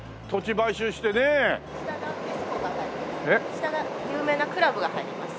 下が有名なクラブが入りますし。